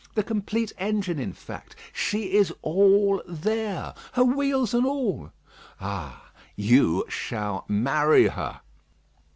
The complete engine, in fact. She is all there, her wheels and all. Ah! you shall marry her."